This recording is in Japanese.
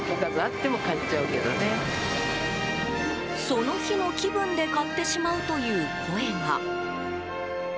その日の気分で買ってしまうという声が。